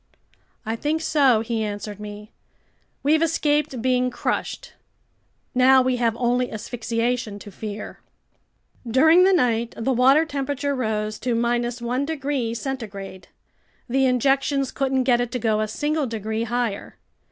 "I think so," he answered me. "We've escaped being crushed. Now we have only asphyxiation to fear." During the night the water temperature rose to 1 degrees centigrade. The injections couldn't get it to go a single degree higher.